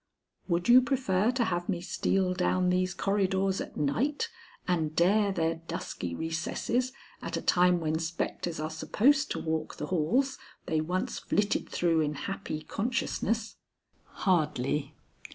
"Would you prefer to have me steal down these corridors at night and dare their dusky recesses at a time when spectres are supposed to walk the halls they once flitted through in happy consciousness?" "Hardly."